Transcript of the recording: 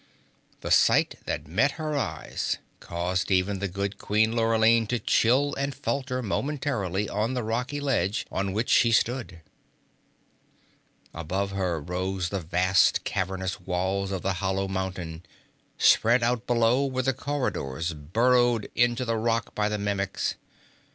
The sight that met her eyes caused even the good Queen Lurline to chill and falter momentarily on the rocky ledge on which she stood. Above her rose the vast, cavernous walls of the hollow mountain. Spread out below were the corridors burrowed into the rock by the Mimics.